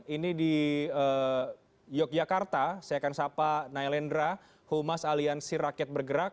ini di yogyakarta saya akan sapa nailendra humas aliansi rakyat bergerak